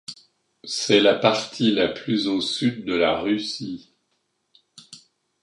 C'est la partie la plus au sud de la Russie.